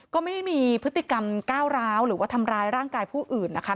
ก็ไม่ได้มีพฤติกรรมก้าวร้าวหรือว่าทำร้ายร่างกายผู้อื่นนะคะ